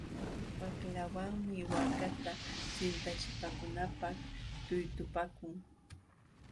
Waqlawanmi waakata sintachipaakunanpaq tuytupaakun.